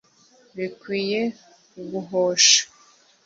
Bikwiye guhosha